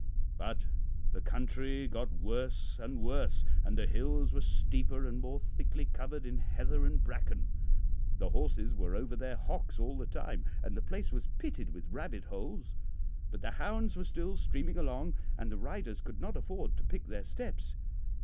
"But the country got worse and worse and the hills were steeper and more thickly covered in heather and bracken. The horses were over their hocks all the time, and the place was pitted with rabbit holes; but the hounds were still streaming along, and the riders could not afford to pick their steps.